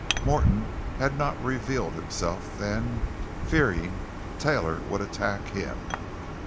Morton had not revealed himself, then, fearing Taylor would attack him.